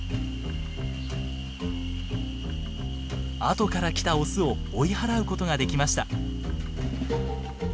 後から来たオスを追い払うことができました。